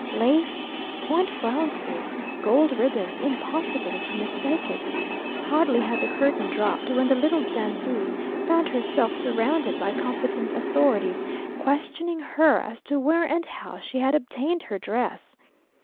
Lace, point flounces, gold ribbons; impossible to mistake it. Hardly had the curtain dropped, when the little danseuse found herself surrounded by competent authorities, questioning her as to where and how she had obtained her dress.